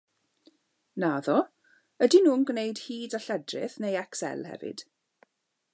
Naddo, ydyn nhw'n gwneud hyd a lledrith neu Excel hefyd?